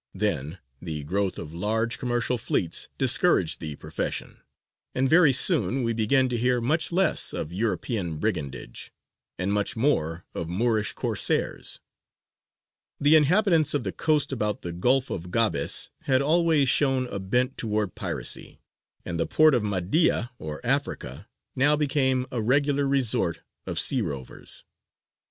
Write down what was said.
Then the growth of large commercial fleets discouraged the profession, and very soon we begin to hear much less of European brigandage, and much more of Moorish Corsairs. The inhabitants of the coast about the Gulf of Gabes had always shown a bent towards piracy, and the port of Mahdīya, or "Africa," now became a regular resort of sea rovers.